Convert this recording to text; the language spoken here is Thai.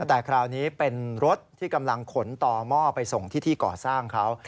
แต่คราวนี้เป็นรถที่กำลังขนต่อหม้อไปส่งที่ที่ก่อสร้างเขา